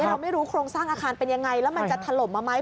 เราไม่รู้โครงสร้างอาคารเป็นยังไงแล้วมันจะถล่มมาไหม